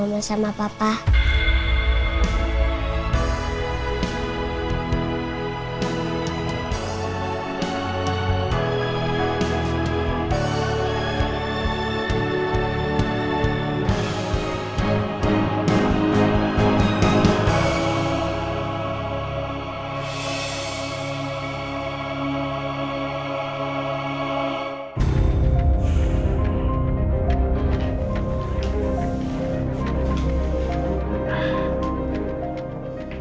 nggak apapun tuh